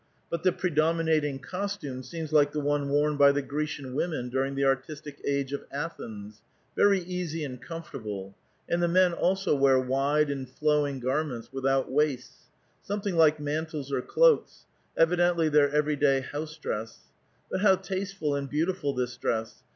But the predominating costume seems like the one worn by the Grecian women during the artistic age of Athens, very easy and comfortable ; and the men also . wear wide and flowing garments without waists, — something / like mantles or cloaks, — evidently their every day house ■ dress. But how tasteful and beautiful this dress